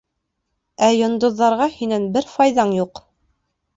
Ә йондоҙҙарға һинән бер файҙаң юҡ...